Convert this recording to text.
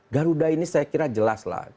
garuda ini saya kira jelaslah